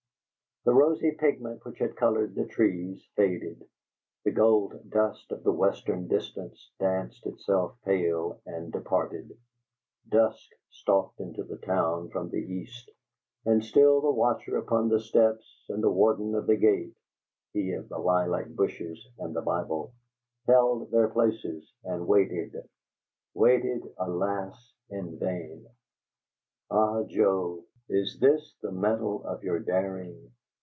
The rosy pigment which had colored the trees faded; the gold dust of the western distance danced itself pale and departed; dusk stalked into the town from the east; and still the watcher upon the steps and the warden of the gate (he of the lilac bushes and the Bible) held their places and waited waited, alas! in vain.... Ah! Joe, is THIS the mettle of your daring?